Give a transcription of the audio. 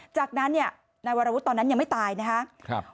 จากนั้นเนี่ยนายวรวุฒิตอนนั้นยังไม่ตายนะครับ